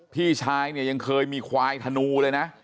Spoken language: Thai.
พี่ชายเนี่ยยังเคยมีควายธนูเลยนะ